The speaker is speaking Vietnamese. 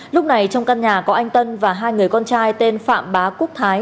lúc này trong căn nhà có anh tân và hai người con trai tên phạm bá quốc thái